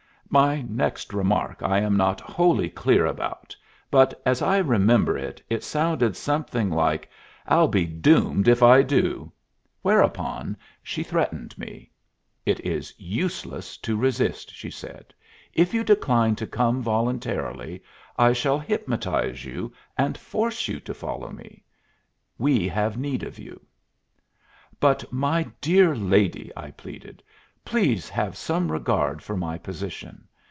My next remark I am not wholly clear about, but, as I remember it, it sounded something like "I'll be doomed if I do!" whereupon she threatened me. "It is useless to resist," she said. "If you decline to come voluntarily, I shall hypnotize you and force you to follow me. We have need of you." "But, my dear lady," I pleaded, "please have some regard for my position.